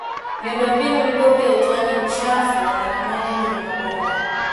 Miundombinu mibovu ya utoaji uchafu wa majimaji kwenye maboma